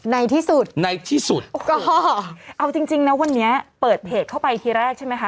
ในที่สุดในที่สุดก็เอาจริงจริงนะวันนี้เปิดเพจเข้าไปทีแรกใช่ไหมคะ